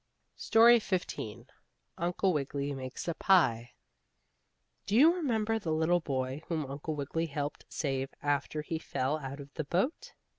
STORY XV UNCLE WIGGILY MAKES A PIE Do you remember the little boy whom Uncle Wiggily helped save after he fell out of the boat?